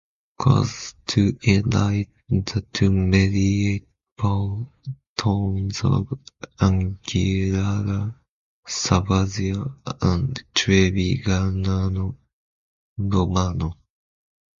Close to it lie the two medieval towns of Anguillara Sabazia and Trevignano Romano.